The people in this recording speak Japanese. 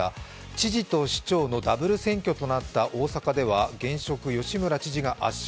知事と市長のダブル選挙となった大阪市では現職・吉村知事が圧勝。